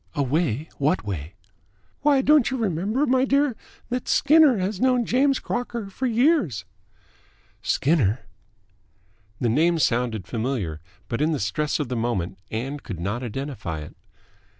"A way? What way?" "Why, don't you remember, my dear, that Skinner has known James Crocker for years." "Skinner?" The name sounded familiar, but in the stress of the moment Ann could not identify it.